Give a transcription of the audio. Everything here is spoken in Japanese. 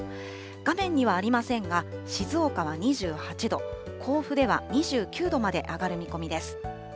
画面にはありませんが、静岡は２８度、甲府では２９度まで上がる見込みです。